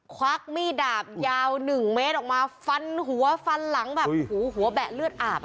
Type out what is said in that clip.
ควักมีดดาบยาว๑เมตรออกมาฟันหัวฟันหลังแบบโอ้โหหัวแบะเลือดอาบ